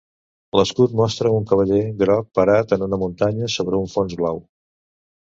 L'escut mostra un cavaller groc parat en una muntanya sobre un fons blau.